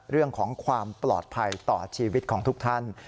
เรื่องของความปลอดภัยต่อชีวิตของทุกท่าน